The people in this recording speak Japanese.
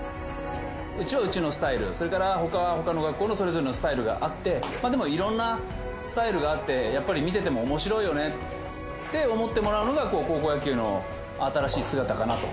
うちはうちのスタイル、それからほかはほかの学校のそれぞれのスタイルがあって、でも、いろんなスタイルがあって、やっぱり見ててもおもしろいよねって思ってもらうのが、高校野球の新しい姿かなと。